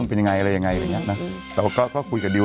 เพิ่งพูดขับดิว